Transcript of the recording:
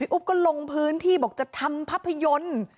อุ๊บก็ลงพื้นที่บอกจะทำภาพยนตร์